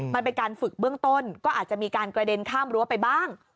มันเป็นการฝึกเบื้องต้นก็อาจจะมีการกระเด็นข้ามรั้วไปบ้าง